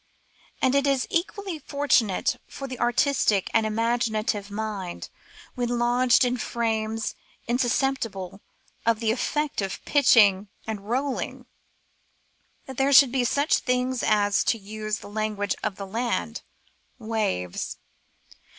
And it is equally fortunate for the artistic and imaginative mind — when lodged in frames insusceptible of the effect of pitching and rolling — that there should be such things as, to use the language of the land, waves.